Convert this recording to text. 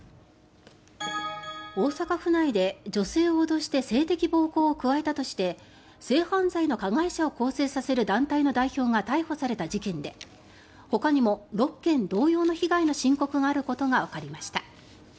大阪府内で女性を脅して性的暴行を加えたとして性犯罪の加害者を更生させる団体の代表が逮捕された事件でほかにも６件同様の被害の申告があることがわかりました。